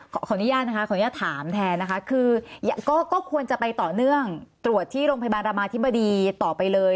ขออนุญาตนะคะขออนุญาตถามแทนนะคะคือก็ควรจะไปต่อเนื่องตรวจที่โรงพยาบาลรามาธิบดีต่อไปเลย